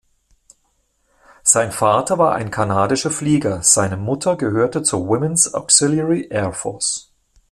Sein Vater war ein kanadischer Flieger, seine Mutter gehörte zur Women’s Auxiliary Air Force.